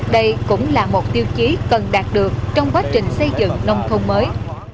đây cũng là một tiêu chí cần đạt được trong quá trình xây dựng nông thôn mới